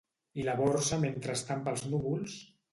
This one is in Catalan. I la borsa mentrestant pels núvols...